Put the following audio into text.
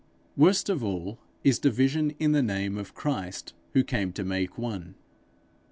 Worst of all is division in the name of Christ who came to make one.